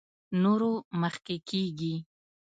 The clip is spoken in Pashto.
نورو مخکې کېږي.